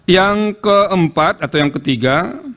yang keempat atau yang ketiga